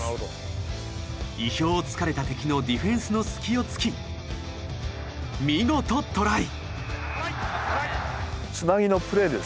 意表をつかれた敵のディフェンスの隙をつき見事トライ！